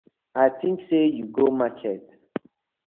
A tink sey you go market.